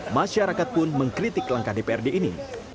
masyarakat pun mengkritik langkah dprd ini